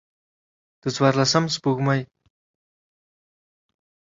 د څوارلسم سپوږمۍ